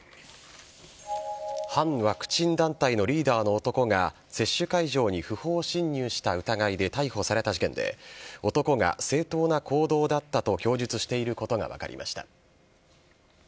反ワクチン団体のリーダーの男が接種会場に不法侵入した疑いで逮捕された事件で男が正当な行動だったと供述していることが分かりました。